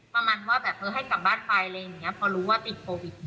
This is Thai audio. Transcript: ประมาณว่าแบบเออให้กลับบ้านไปอะไรอย่างนี้พอรู้ว่าติดโควิด